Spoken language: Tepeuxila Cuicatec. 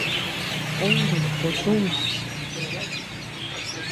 Uu dúkuu tumi.